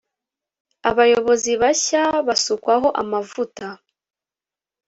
abayobozi bashya basukwaho amavuta